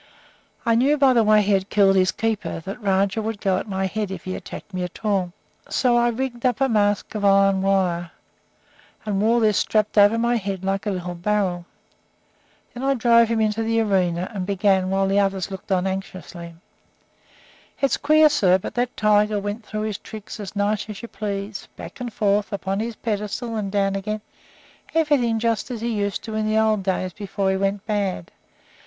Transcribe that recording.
I knew by the way he had killed his keeper that Rajah would go at my head if he attacked me at all, so I rigged up a mask of iron wire, and wore this strapped over my head like a little barrel. Then I drove him into the arena and began, while the others looked on anxiously. It's queer, sir, but that tiger went through his tricks as nice as you please, back and forth, up on his pedestal and down again, everything just as he used to do in the old days before he went bad.